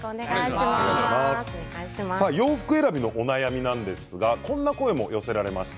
洋服選びのお悩みなんですがこんな声も寄せられました。